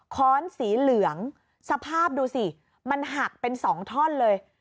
้อนสีเหลืองสภาพดูสิมันหักเป็น๒ท่อนเลย